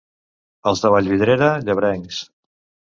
Els de Vallvidrera, llebrencs.